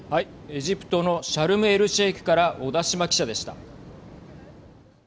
エジプトのシャルムエルシェイクから小田島記者でした。